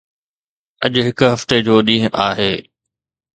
اڄ هڪ هفتي جو ڏينهن آهي.